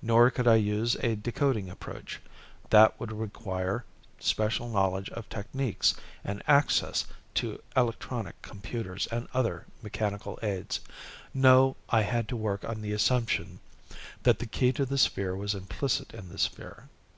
Nor could I use a decoding approach that would require special knowledge of techniques and access to electronic computers and other mechanical aids. No, I had to work on the assumption that the key to the sphere was implicit in the sphere."